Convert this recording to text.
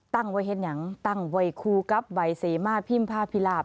ตั้งไว้เห็นยังตั้งไว้ครูกับใบเสมาพิมพาพิลาบ